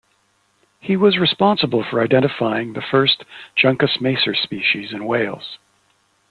He was responsible for identifying the first juncus macer species in Wales.